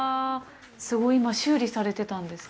すごい、今、修理されてたんですか。